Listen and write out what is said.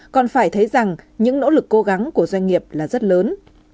còn phải thấy rằng những nỗ lực cố gắng của doanh nghiệp là rất lớn